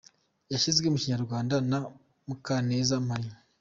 Yashyizwe mu kinyarwanda na Mukaneza M.